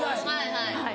はいはい。